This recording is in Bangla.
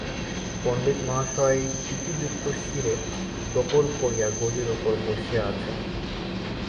পণ্ডিতমহাশয় টিকিযুক্ত শিরে টোপর পরিয়া গদির উপর বসিয়া আছেন।